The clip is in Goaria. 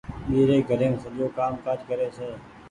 ٻيري گهريم سجو ڪآم ڪآج ڪري ڇي۔